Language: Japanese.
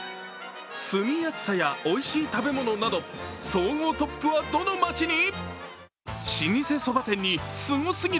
住みやすさやおいしい食べ物など総合トップはどの街に？